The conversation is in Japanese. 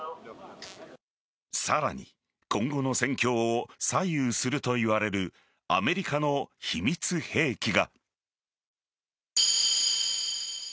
さらに今後の戦況を左右するといわれるアメリカの秘密兵器が。